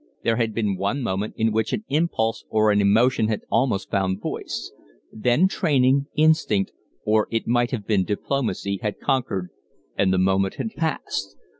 There had been one moment in which an impulse or an emotion had almost found voice; then training, instinct, or it might have been diplomacy, had conquered, and the moment had passed.